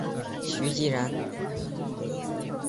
徐积人。